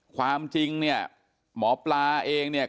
ความจริงเนี่ยหมอปลาเองเนี่ย